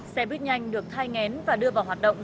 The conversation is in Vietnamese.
xe buýt nhanh được thay ngén và đưa vào hoạt động